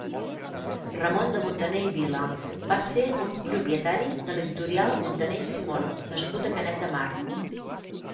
Ramon de Montaner i Vila va ser un propietari de l'Editorial Montaner i Simón nascut a Canet de Mar.